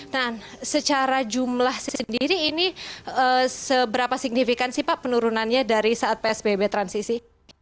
nah secara jumlah sendiri ini seberapa signifikan sih pak penurunannya dari saat psbb transisi